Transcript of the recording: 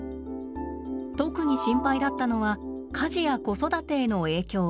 特に心配だったのは家事や子育てへの影響。